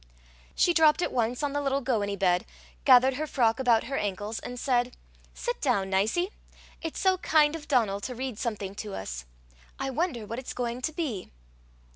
She dropped at once on the little gowany bed, gathered her frock about her ankles, and said, "Sit down, Nicie. It's so kind of Donal to read something to us! I wonder what it's going to be."